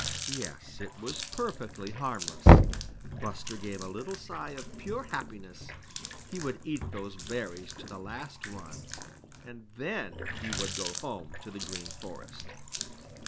Yes, it was perfectly harmless. Buster gave a little sigh of pure happiness. He would eat those berries to the last one, and then he would go home to the Green Forest.